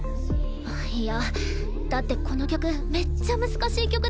いやだってこの曲めっちゃ難しい曲でしょ？